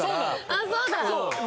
あっそうだ。